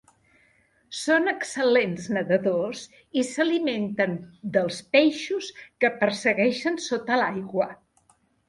Són excel·lents nedadors i s'alimenten dels peixos que persegueixen sota l'aigua.